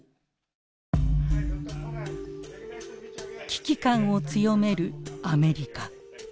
危機感を強めるアメリカ。